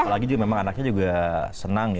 apalagi memang anaknya juga senang ya